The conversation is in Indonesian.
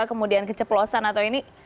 kemudian kecepolosan atau ini